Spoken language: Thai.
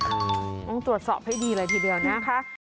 ต้องตรวจสอบให้ดีเลยทีเดียวนะคะ